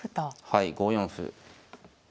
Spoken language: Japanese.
はい５四歩。